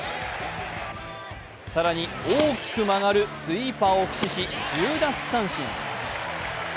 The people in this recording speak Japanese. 更に大きく曲がるスイーパーを駆使し、１０奪三振。